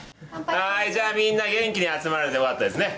はいじゃあみんな元気に集まれてよかったですね。